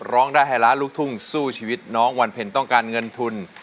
ร้องได้ให้ล้านลูกทุ่งสู้ชีวิตน้องวันเพ็ญต้องการเงินทุน